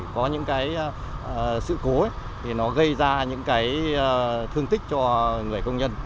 có những cái sự cố thì nó gây ra những cái thương tích cho người công nhân